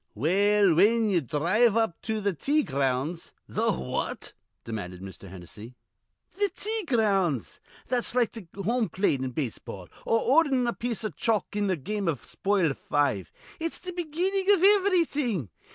"Well, whin ye dhrive up to th' tea grounds" "Th' what?" demanded Mr. Hennessy. "Th' tea grounds, that's like th' home plate in base ball or ordherin' a piece iv chalk in a game iv spoil five. It's th' be ginnin' iv ivrything.